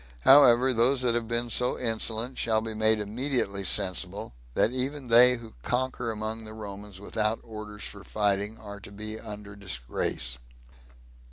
However, those that have been so insolent shall be made immediately sensible, that even they who conquer among the Romans without orders for fighting are to be under disgrace."